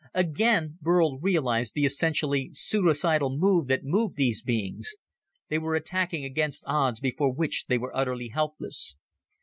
Again, Burl realized the essentially suicidal mood that moved these beings. They were attacking against odds before which they were utterly helpless.